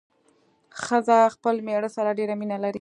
ښځه خپل مېړه سره ډېره مينه کوي